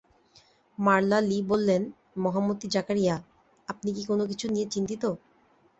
মারলা Lee বললেন, মহামতি Zachariah, আপনি কি কোনো কিছু নিয়ে চিন্তিত?